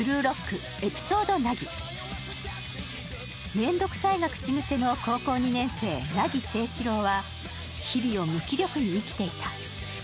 「めんどくさい」が口癖の高校２年生、凪誠士郎は日々を無気力に生きていた。